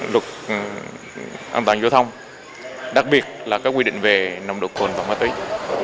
lực an toàn vô thông đặc biệt là các quy định về nồng độ cồn và mất tích